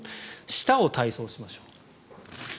舌を体操しましょう。